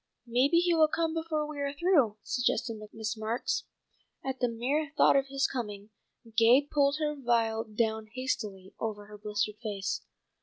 "Maybe he will come before we are through," suggested Miss Marks. At the mere thought of his coming, Gay pulled her veil down hastily over her blistered face.